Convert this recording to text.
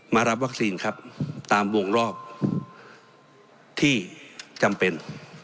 รับวัคซีนครับตามวงรอบที่จำเป็น